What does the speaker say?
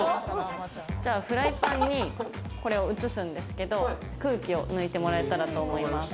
フライパンにこれを移すんですけど、空気を抜いてもらえたらと思います。